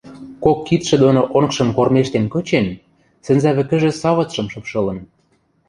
Кок кидшӹ доно онгжым кормежтен кычен, сӹнзӓ вӹкӹжӹ савыцшым шыпшылын